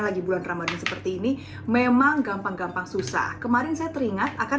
lagi bulan ramadhan seperti ini memang gampang gampang susah kemarin saya teringat akan